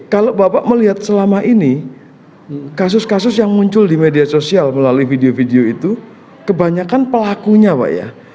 kalau bapak melihat selama ini kasus kasus yang muncul di media sosial melalui video video itu kebanyakan pelakunya pak ya